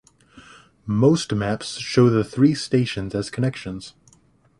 Most maps show the three stations as connections.